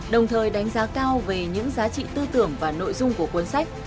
đồng thời đánh giá cao về những giá trị tư tưởng và nội dung của cuốn sách